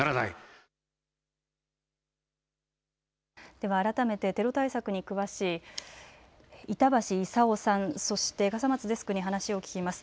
では改めてテロ対策に詳しい板橋功さん、そして笠松デスクに話を聞きます。